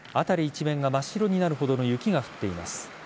辺り一面が真っ白になるほどの雪が降っています。